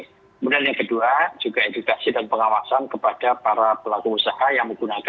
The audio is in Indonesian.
kemudian yang kedua juga edukasi dan pengawasan kepada para pelaku usaha yang menggunakan